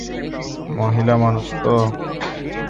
মহিলা মানুষ তো!